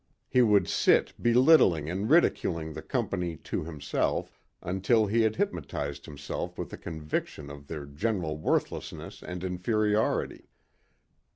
He would sit belittling and ridiculing the company to himself until he had hypnotized himself with a conviction of their general worthlessness and inferiority.